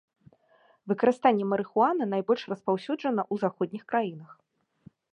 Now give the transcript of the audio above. Выкарыстанне марыхуаны найбольш распаўсюджана ў заходніх краінах.